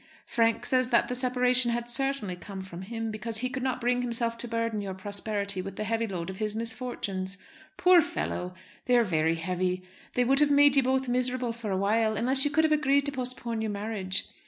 Frank says that the separation had certainly come from him, because he could not bring himself to burden your prosperity with the heavy load of his misfortunes. Poor fellow! They are very heavy. They would have made you both miserable for awhile, unless you could have agreed to postpone your marriage.